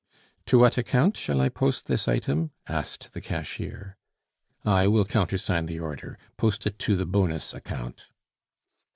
"To what account shall I post this item?" asked the cashier. "I will countersign the order. Post it to the bonus account."